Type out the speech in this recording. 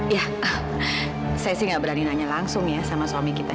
ya saya sih gak berani nanya langsung ya sama suami kita